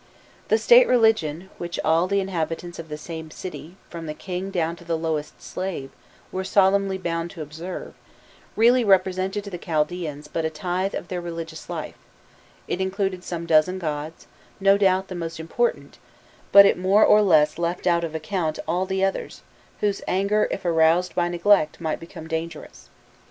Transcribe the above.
The State religion, which all the inhabitants of the same city, from the king down to the lowest slave, were solemnly bound to observe, really represented to the Chaldaeans but a tithe of their religious life: it included some dozen gods, no doubt the most important, but it more or less left out of account all the others, whose anger, if aroused by neglect, might become dangerous.